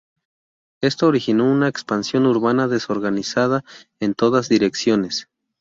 Esto originó una expansión urbana desorganizada en todas direcciones.